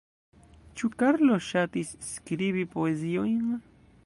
Ĉu Karlo ŝatis skribi poeziojn?